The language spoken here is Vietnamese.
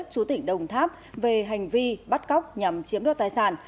chú tỉnh đồng tháp về hành vi bắt cóc nhằm chiếm đoạt tài sản